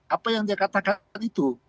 apa yang dia katakan itu